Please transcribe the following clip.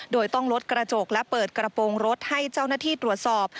โดยต้องลดกระจกและเปิดกระโปรงรถให้เจ้าหน้าที่ตรวจสอบ